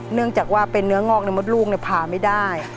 เนื่องจากว่าเป็นเนื้องอกในมดลูกผ่าไม่ได้